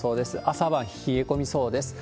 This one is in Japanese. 朝晩冷え込みそうです。